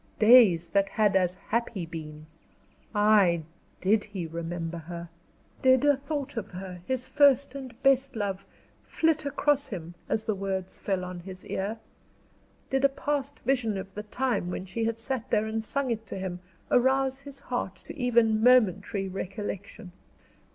Days that had as happy been! Ay! did he remember her? Did a thought of her, his first and best love, flit across him, as the words fell on his ear? Did a past vision of the time when she had sat there and sung it to him arouse his heart to even momentary recollection?